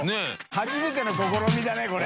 初めての試みだねこれ。